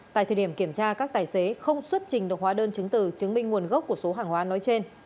tại thời điểm kiểm tra các tài xế không xuất trình được hóa đơn chứng từ chứng minh nguồn gốc của số hàng hóa nói trên